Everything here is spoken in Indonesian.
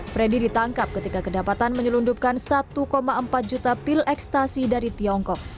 freddy ditangkap ketika kedapatan menyelundupkan satu empat juta pil ekstasi dari tiongkok